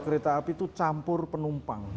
kereta api itu campur penumpang